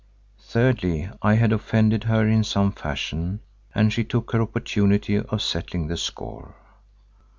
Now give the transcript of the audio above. Thirdly, I had offended her in some fashion and she took her opportunity of settling the score.